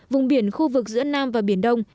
vùng biển khu vực giữa nam và biển đông